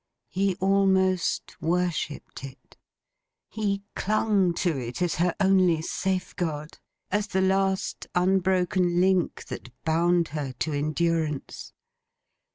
He almost worshipped it. He clung to it as her only safeguard; as the last unbroken link that bound her to endurance.